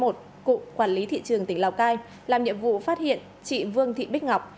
cụ quản lý thị trường tỉnh lào cai làm nhiệm vụ phát hiện chị vương thị bích ngọc